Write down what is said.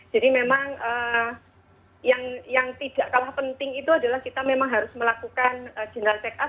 jadi memang yang tidak kalah penting itu adalah kita memang harus melakukan general check up